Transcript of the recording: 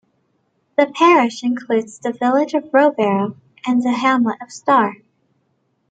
The parish includes the village of Rowberrow and the hamlet of Star.